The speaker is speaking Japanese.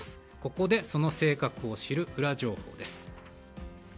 ここで、その性格を知るウラ情報です。